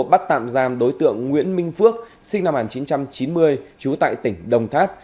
bắt tạm giam đối tượng nguyễn minh phước sinh năm một nghìn chín trăm chín mươi trú tại tỉnh đồng tháp